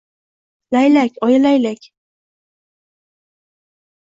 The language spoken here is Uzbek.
Laylak, oyi, laylak!